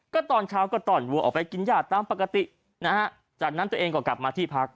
ก็ตอนเช้าก็ต่อนวัวออกไปกินญาติตามปกตินะฮะจากนั้นตัวเองก็กลับมาที่พัก